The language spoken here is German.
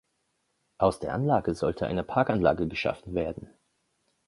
Aus der Anlage sollte eine Parkanlage geschaffen werden.